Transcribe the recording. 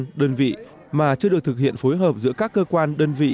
cơ quan đơn vị mà chưa được thực hiện phối hợp giữa các cơ quan đơn vị